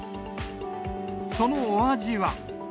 そのお味は。